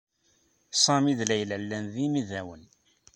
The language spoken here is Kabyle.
Sami d Layla llan d imidawen.